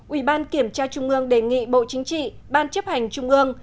ủy ban kiểm tra trung ương đề nghị bộ chính trị ban chấp hành trung ương